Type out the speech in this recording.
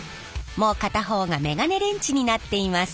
もう片方がメガネレンチになっています。